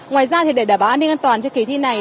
ngoài ra thì để đảm bảo an ninh an toàn cho kỳ thi này